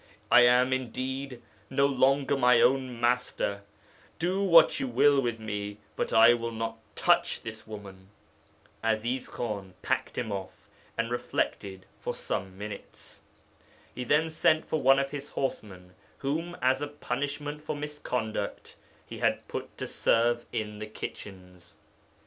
"I am, indeed, no longer my own master; do what you will with me, but I will not touch this woman." 'Aziz Khan packed him off, and reflected for some minutes. He then sent for one of his horsemen whom, as a punishment for misconduct, he had put to serve in the kitchens.